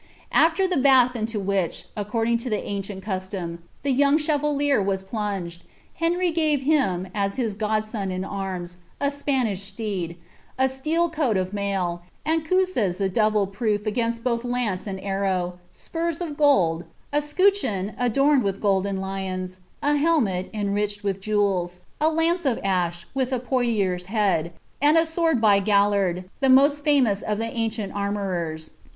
After the bath into which, according lo the anuent custom, the young chevalier was plunged, Henry gave him, as his god son in amis, a Spanish steed, a steel coat of mail, and cutsses of douUe proof asuinst both lanes and arrow, spurs of gold, a scolcheon, adurasd with golden lions, a helmet, enriched with jewels, a lance of asli, wiih a Poictiers' bead, and a sword mode by Gallard, the most famous of liis ancient armorers.